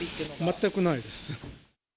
全くないです。